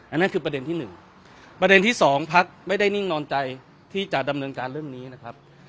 นั่นคือประเด็นที่๑ประเด็นที่๒พักไม่ได้นิ่งนอนใจที่จะดำเนินการเรื่องนี้นะครับ